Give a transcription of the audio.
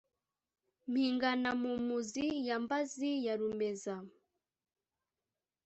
mpingana-mu-muzi ya mbazi ya rumeza,